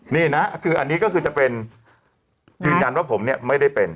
นี่นะคืออันนี้ก็คือจะเป็นยืนยันว่าผมเนี่ยไม่ได้เป็น